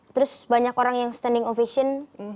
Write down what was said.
terus banyak orang yang standing ovation